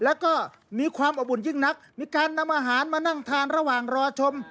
แล้วก็มีความอบอุ่นยิ่งนักมีการนำอาหารมานั่งทานระหว่างรอชม